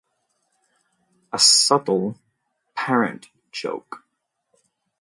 A subtle parent joke.